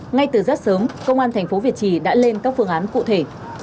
ngay từ rất sớm công an thành phố việt trì đã lên các phương án cụ thể